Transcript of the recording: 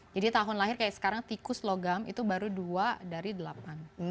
jadi tahun lahir kayak sekarang tikus logam itu baru dua dari delapan